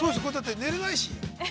◆寝れないし。